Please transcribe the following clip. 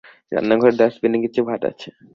রান্নাঘরের ডাষ্টবিনে কিছু ভাত আছে।